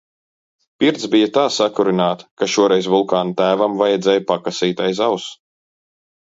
Pirts bija tā sakurināta, ka šoreiz Vulkāna tēvam vajadzēja pakasīt aiz auss.